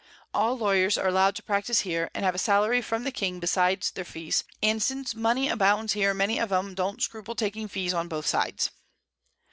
All Lawyers are allow'd to practise here, and have a Sallary from the King besides their Fees, and since Money abounds here, many of 'em don't scruple taking Fees on both Sides.